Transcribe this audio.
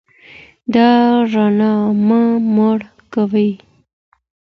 دا رڼا مه مړه کوئ.